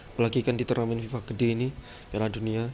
apalagi kan di teroramin fifa gede ini di pala dunia